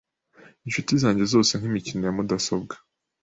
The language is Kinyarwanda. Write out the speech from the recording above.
Inshuti zanjye zose nkimikino ya mudasobwa.